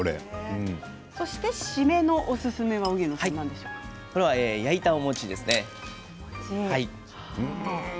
締めのおすすめは焼いたお餅ですね。